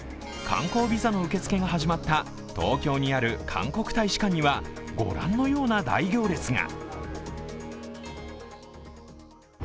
観光ビザの受付が始まった東京にある韓国大使館には御覧のような大行列が。